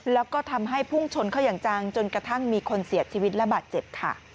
แล้วก็ทำให้พุ่งชนเข้าอย่างจังจนกระทั่งมีคนเสียชีวิตและบาดเจ็บค่ะ